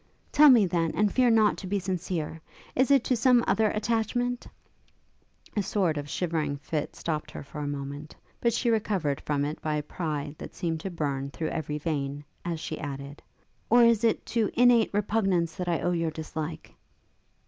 'Tell me, then, and fear not to be sincere. Is it to some other attachment ' a sort of shivering fit stopt her for a moment, but she recovered from it by a pride that seemed to burn through every vein, as she added, 'or is it to innate repugnance that I owe your dislike?'